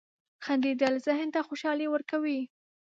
• خندېدل ذهن ته خوشحالي ورکوي.